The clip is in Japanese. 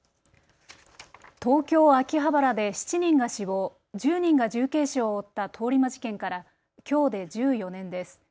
東京・秋葉原で７人が死亡、１０人が重軽傷重軽傷を負った通り魔事件からきょうで１４年です。